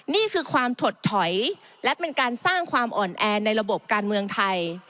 นี่คือความถดถอยและเป็นการสร้างความอ่อนแอในระบบการเมืองไทย